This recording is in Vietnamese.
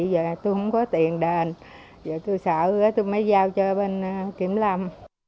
giờ tôi không có tiền đền giờ tôi sợ quá tôi máy giao cho bên kiểm lâm